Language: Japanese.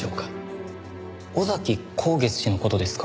尾崎孝月氏の事ですか？